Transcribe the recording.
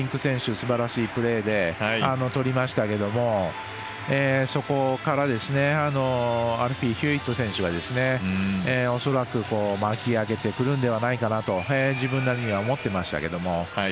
すばらしいプレーで取りましたがそこから、アルフィー・ヒューウェット選手が恐らく巻き上げてくるんじゃないかなと自分なりには思ってましたけど。